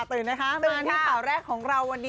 ตื่นนะคะมาที่ข่าวแรกของเราวันนี้